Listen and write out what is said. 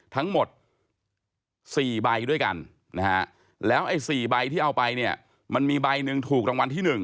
ทั้งหมด๔ใบด้วยกันนะฮะแล้วไอ้๔ใบที่เอาไปเนี่ยมันมีใบหนึ่งถูกรางวัลที่๑